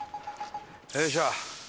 よいしょ。